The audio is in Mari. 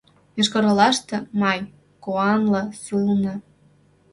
Йошкар-Олаште — май: куанле, сылне.